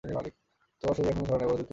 তোমার শরীর এখনও সারে নাই, বড়ই দঃখের বিষয়।